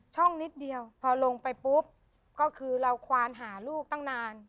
นิดเดียวพอลงไปปุ๊บก็คือเราควานหาลูกตั้งนาน